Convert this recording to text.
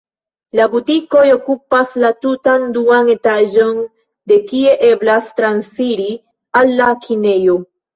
La butikoj okupas la tutan duan etaĝon, de kie eblas transiri al la kinejo.